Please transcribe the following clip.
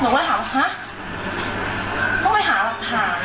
หนูก็เลยถามว่าต้องไปหาหลักฐาน